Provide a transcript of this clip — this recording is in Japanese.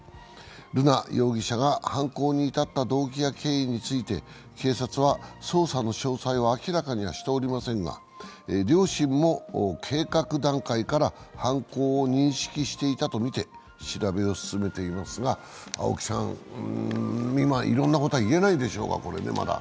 瑠奈容疑者が犯行に至った動機や経緯について警察は捜査の詳細を明らかにはしていませんが、両親も計画段階から犯行を認識していたとみて調べを進めていますが、青木さん、今いろんなことはまだ言えないでしょうが。